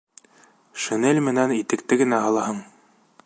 Шинель менән итекте генә һалаһың.